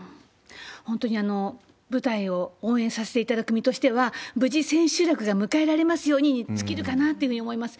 本当に舞台を応援させていただく身としては、無事、千秋楽が迎えられますようにに尽きるかなと思います。